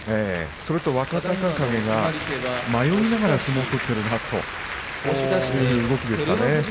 それと若隆景が迷いながら相撲を取っているなという動きでしたね。